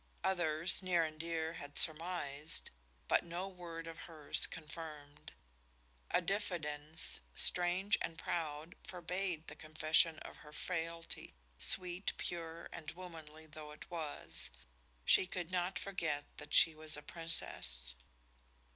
Others, near and dear, had surmised, but no word of hers confirmed. A diffidence, strange and proud, forbade the confession of her frailty, sweet, pure and womanly though it was. She could not forget that she was a Princess.